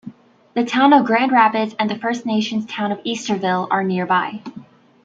The town of Grand Rapids and the First Nations town of Easterville are nearby.